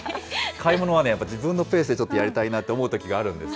買い物は自分のペースでちょっとやりたいなと思うときがあるんです。